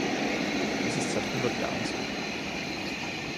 Das ist seit hundert Jahren so.